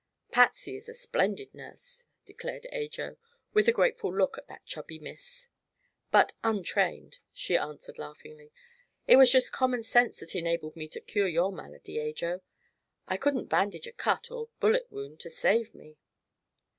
"Patsy is a splendid nurse," declared Ajo, with a grateful look toward that chubby miss. "But untrained," she answered laughingly. "It was just common sense that enabled me to cure your malady, Ajo. I couldn't bandage a cut or a bullet wound to save me."